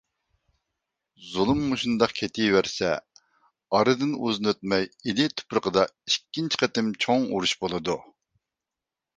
زۇلۇم مۇشۇنداق كېتىۋەرسە ئارىدىن ئۇزۇن ئۆتمەي، ئىلى تۇپرىقىدا ئىككىنچى قېتىم چوڭ ئۇرۇش بولىدۇ.